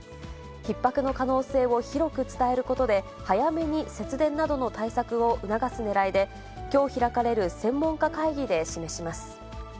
ひっ迫の可能性を広く伝えることで、早めに節電などの対策を促すねらいで、きょう開かれる専門家会議